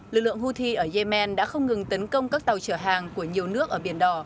lực lượng houthi ở yemen đã không ngừng tấn công các tàu chở hàng của nhiều nước ở biển đỏ